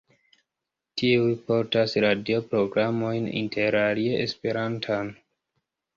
Tiuj portas radioprogramojn, interalie Esperantan.